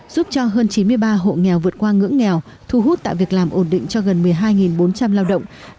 giúp cho hơn chín mươi ba hộ nghèo vượt qua ngưỡng nghèo thu hút tạo việc làm ổn định cho gần một mươi hai bốn trăm linh lao động